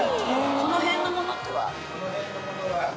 この辺のものは。